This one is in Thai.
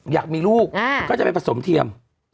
อยากมีลูกก็จะไปผสมเทียม